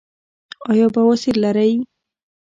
ایا بواسیر لرئ؟